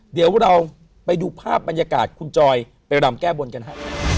เดี๋ยวเราไปดูภาพบรรยากาศคุณจอยไปรำแก้บนกันฮะ